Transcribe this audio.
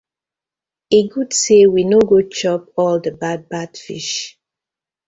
E good say we no go chop all the bad bad fish.